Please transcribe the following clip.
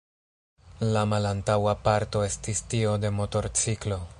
La malantaŭa parto estis tio de motorciklo.